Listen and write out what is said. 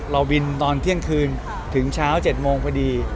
บินตอนเที่ยงคืนถึงเช้า๗โมงพอดี